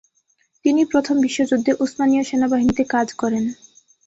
তিনি প্রথম বিশ্বযুদ্ধে উসমানীয় সেনাবাহিনীতে কাজ করেন।